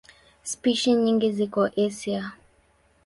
Spishi nyingi ziko Asia.